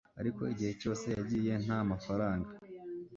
ariko igihe cyose yagiye nta mafaranga